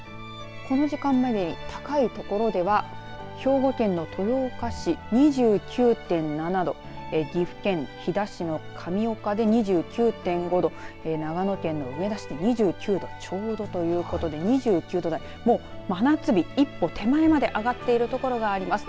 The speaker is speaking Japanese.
そしてこの時間までに高い所では兵庫県の豊岡市２９．７度岐阜県飛騨市の神岡で２９．５度長野県上田市で２９度ちょうど、ということで２９度台、真夏日一歩手前まで上がっている所があります。